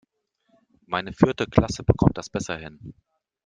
Meine vierte Klasse bekommt das besser hin.